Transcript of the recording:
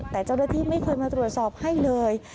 แต่เจ้าหน้าที่ไม่เคยมาตรวจสอบให้เลย